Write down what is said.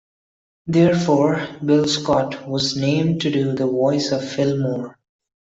Therefore, Bill Scott was named to do the voice of Fillmore.